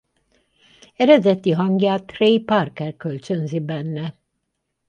Eredeti hangját Trey Parker kölcsönzi benne.